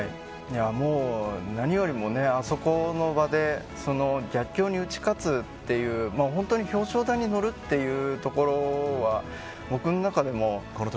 もう何よりも、あそこの場で逆境に打ち勝つという本当に表彰台に乗るっていうところは僕の中でも。